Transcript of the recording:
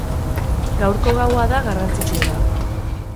Gaurko gaua da garrantzitsuena.